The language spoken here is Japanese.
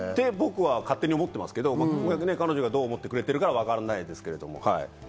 そういうふうに僕は勝手に思ってますけど彼女がどう思ってくれてるかは分からないですけど。